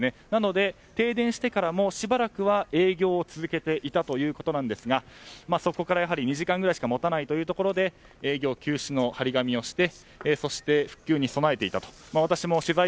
なので停電してからもしばらくは営業を続けていたということですがそこから２時間ぐらいしか持たないというところで営業休止の張り紙をしてそして復旧に備えていたということです。